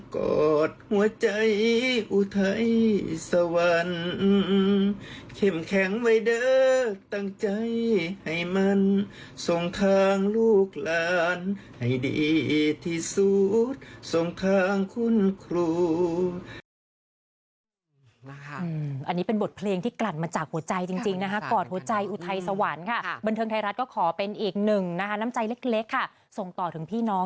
กลั่นให้ดีที่สุดทรงทางคุณครู